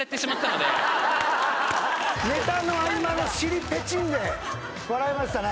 ネタの合間の尻ぺちんで笑いましたね。